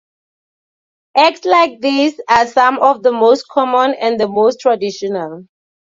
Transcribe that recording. Acts like these are some of the most common, and the most traditional.